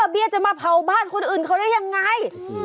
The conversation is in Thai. เบียร์จะมาเผาบ้านคนอื่นเขาได้ยังไง